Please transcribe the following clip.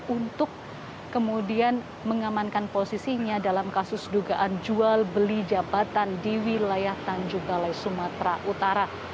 untuk kemudian mengamankan posisinya dalam kasus dugaan jual beli jabatan di wilayah tanjung balai sumatera utara